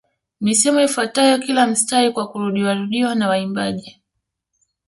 Misemo ifuatayo kila mstari kwa kurudiwarudiwa na waimbaji